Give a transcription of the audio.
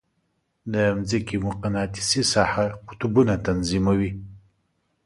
د مځکې مقناطیسي ساحه قطبونه تنظیموي.